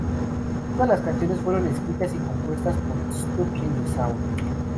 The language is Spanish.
Todas las canciones fueron escritas y compuestas por Stuck in the Sound.